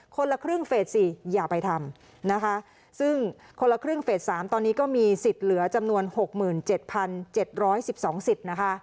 คนละครึ่งเฟส๔อย่าไปทำนะคะซึ่งคนละครึ่งเฟส๓ตอนนี้ก็มีสิทธิ์เหลือจำนวน๖๗๗๑๒สิทธิ์นะคะ